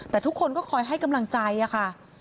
แต่ทุกคนก็คอยให้กำลังใจค่ะ